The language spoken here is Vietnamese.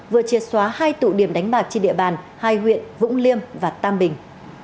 vừa triệt xóa hai tụ điểm đánh bạc trên địa bàn hai huyện vũng liêm và tam bình